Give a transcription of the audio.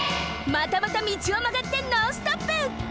またまた道をまがってノンストップ！